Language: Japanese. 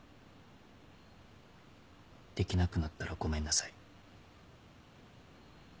できなくなったらごめんなさい。